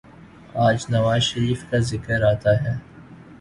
آج نواز شریف کا ذکر آتا ہے۔